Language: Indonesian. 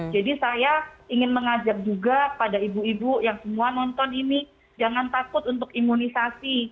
jadi saya ingin mengajak juga pada ibu ibu yang semua nonton ini jangan takut untuk imunisasi